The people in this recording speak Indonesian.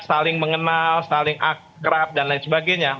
saling mengenal saling akrab dan lain sebagainya